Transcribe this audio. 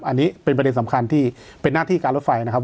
อันนี้เป็นประเด็นสำคัญที่เป็นหน้าที่การรถไฟนะครับ